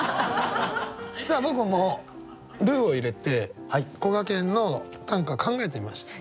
じゃあ僕も「ルー」を入れてこがけんの短歌考えてみました。